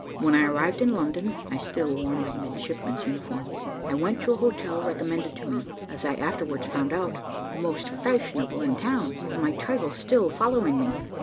When I arrived in London (I still wore my midshipman's uniform), I went to an hotel recommended to me, as I afterwards found out, the most fashionable in town, my title still following me.